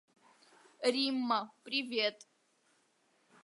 Римма, привет!